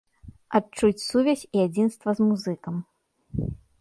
Адчуць сувязь і адзінства з музыкам.